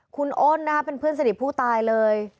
คุณอ้นนะคะเป็นเพื่อนสนิทผู้ตายเลย